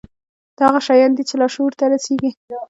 دا هغه شيان دي چې لاشعور ته رسېږي.